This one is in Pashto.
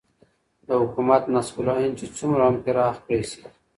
دحكومت نصب العين چې څومره هم پراخ كړى سي